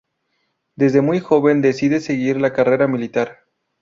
Desde muy joven decide seguir la carrera militar.